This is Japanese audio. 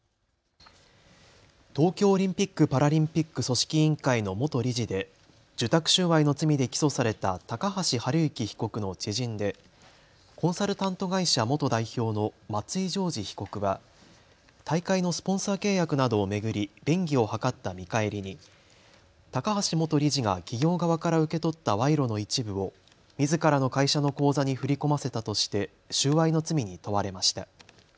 東京オリンピック・パラリンピック組織委員会の元理事で受託収賄の罪で起訴された高橋治之被告の知人でコンサルタント会社元代表の松井讓二被告は大会のスポンサー契約などを巡り便宜を図った見返りに高橋元理事が企業側から受け取った賄賂の一部をみずからの会社の口座に振り込ませたとして収賄の罪に問われました。